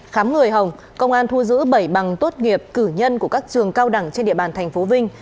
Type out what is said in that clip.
khám người hồng công an thu giữ bảy bằng tốt nghiệp cử nhân của các trường cao đẳng trên địa bàn tp vinh